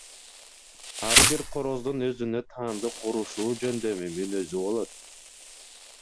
Ар бир короздун өзүнө таандык урушуу жөндөмү, мүнөзү болот.